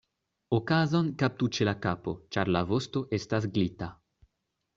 Okazon kaptu ĉe la kapo, ĉar la vosto estas glita.